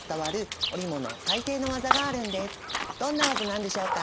どんな技なんでしょうか。